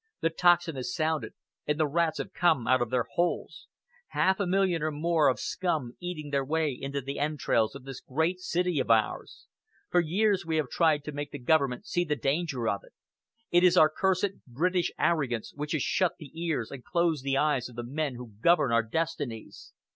The tocsin has sounded, and the rats have come out of their holes! Half a million and more of scum eating their way into the entrails of this great city of ours. For years we have tried to make the government see the danger of it. It is our cursed British arrogance which has shut the ears and closed the eyes of the men who govern our destinies.